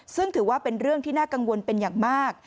ซึ่งถือว่าเป็นเรื่องที่น่ากังวลเป็นอย่างมาก